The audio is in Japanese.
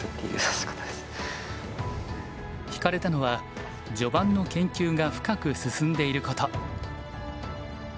ひかれたのは序盤の研究が深く進んでいること。